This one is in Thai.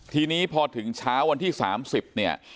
ทีนี้พอถึงเช้าวันที่๓๐เนี่ย